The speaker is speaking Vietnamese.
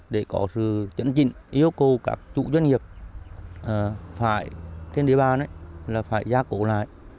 để có sự chấn trình yêu cầu các chủ doanh nghiệp trên địa bàn là phải gia cổ lại